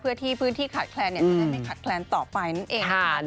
เพื่อที่พื้นที่ขาดแคลนจะได้ไม่ขาดแคลนต่อไปนั่นเองนะคะ